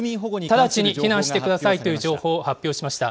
直ちに避難してくださいという情報を発表しました。